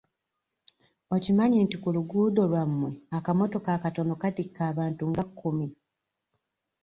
Okimanyi nti ku luguudo lwammwe akamotoka akatono katikka abantu nga kkumi.